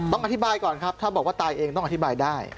ต้องอธิบายก่อนครับถ้าบอกว่าตายเองต้องอธิบายได้